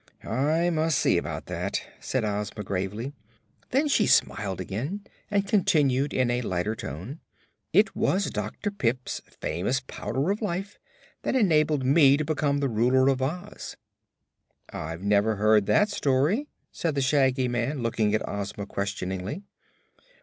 "I must see about that," said Ozma, gravely. Then she smiled again and continued in a lighter tone: "It was Dr. Pipt's famous Powder of Life that enabled me to become the Ruler of Oz." "I've never heard that story," said the Shaggy Man, looking at Ozma questioningly.